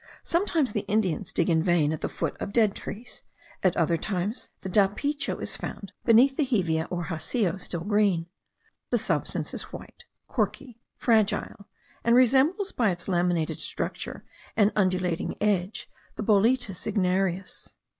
Sometimes the Indians dig in vain at the foot of dead trees; at other times the dapicho is found beneath the hevea or jacio still green. The substance is white, corky, fragile, and resembles by its laminated structure and undulating edge, the Boletus ignarius.